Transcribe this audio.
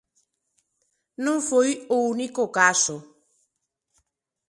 Non foi o único caso.